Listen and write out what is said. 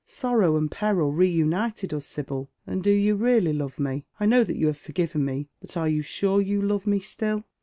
Sorrow and peril reunited us, Sibyl." " And do you really love me ? I know that you have forgiven J»e, but are you sm e you love me still